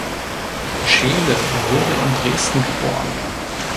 Scheele wurde in Dresden geboren.